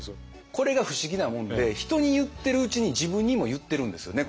これが不思議なもんで人に言ってるうちに自分にも言ってるんですよね